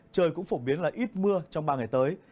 trời cũng phổ biến là ít mưa trong ba ngày tới